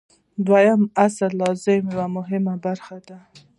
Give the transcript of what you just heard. د دویم اصل لازمه یوه مهمه خبره ده.